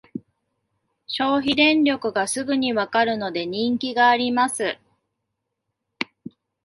消費電力がすぐにわかるので人気があります